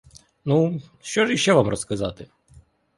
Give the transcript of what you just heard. Ну, що ж іще вам розказати?